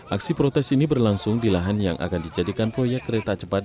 aksi protes ini berlangsung di lahan yang akan dijadikan proyek kereta cepat